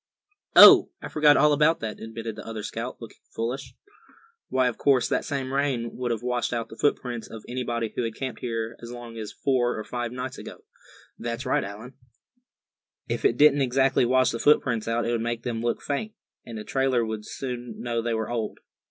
"Oh! I forgot all about that," admitted the other scout, looking foolish. "Why, of course, that same rain would have washed out the footprints of anybody who had camped here as long ago as four or five nights. That's right Allan." "If it didn't exactly wash the footprints out, it would make them look faint; and a trailer would soon know they were old.